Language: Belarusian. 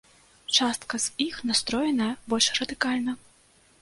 Частка з іх настроеная больш радыкальна.